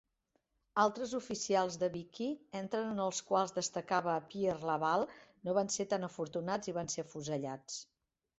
Altres oficials de Vichy, entre els quals destacava Pierre Laval, no van ser tan afortunats i van ser afusellats.